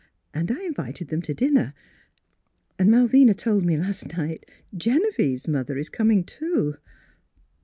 And I in vited them to dinner. And Malvina told me last night Genevieve's mother is com ing, too."